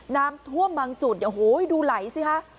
น้ำท่วมบางจุดโอ้โหดูไหลสิฮะ